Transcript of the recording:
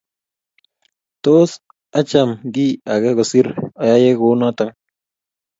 Tos acham kiy age kosiir ayay kunoto